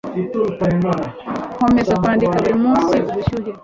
Nkomeza kwandika buri munsi ubushyuhe.